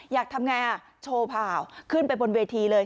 อยากทำยังไงโชว์พาวขึ้นไปบนเวทีเลย